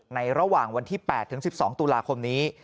ระหว่างวันที่๘ถึง๑๒ตุลาคมนี้